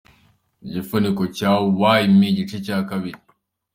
Igifuniko cya 'Why me?' igice cya kabiri.